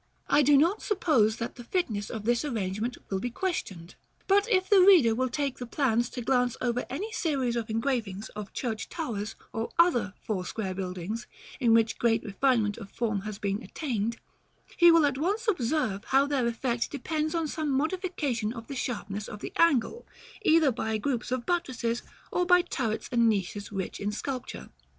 I do not suppose that the fitness of this arrangement will be questioned; but if the reader will take the pains to glance over any series of engravings of church towers or other four square buildings in which great refinement of form has been attained, he will at once observe how their effect depends on some modification of the sharpness of the angle, either by groups of buttresses, or by turrets and niches rich in sculpture.